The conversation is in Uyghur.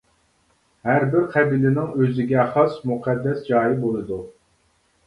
ھەربىر قەبىلىنىڭ ئۆزىگە خاس مۇقەددەس جايى بولىدۇ.